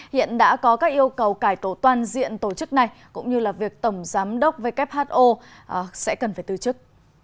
hiện đã có các yêu cầu cải tổ toàn diện tổ chức này cũng như là việc tổng giám đốc who sẽ cần phải tư chức